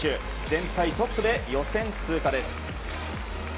全体トップで予選通過です。